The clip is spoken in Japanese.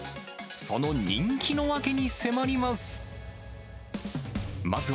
その人気の訳に迫ります。